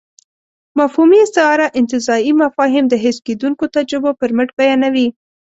مفهومي استعاره انتزاعي مفاهيم د حس کېدونکو تجربو پر مټ بیانوي.